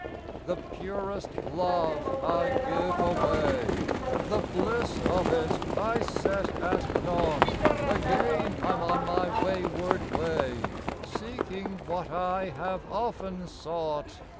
The purest love I give away, The bliss of it I set at naught; Again I'm on my wayward way Seeking what I have often sought.